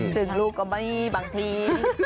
ซึ่งลูกก็ไม่บางที